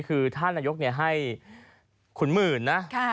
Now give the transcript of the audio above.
คือท่านนายกให้ขุนหมื่นนะ